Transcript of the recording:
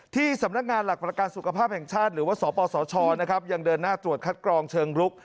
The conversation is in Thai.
ที่สำนักงานหลักประกันสุขภาพแห่งชาติหรือว่าสปสชนะครับยังเดินหน้าตรวจคัดกรองเชิงรุก